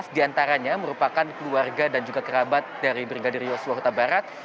sebelas diantaranya merupakan keluarga dan juga kerabat dari brigadir joshua huta barat